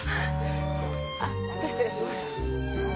あちょっと失礼します。